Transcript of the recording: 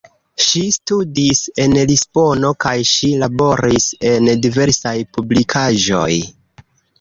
Ŝi studis en Lisbono kaj ŝi laboris en diversaj publikaĵoj.